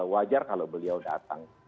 wajar kalau beliau datang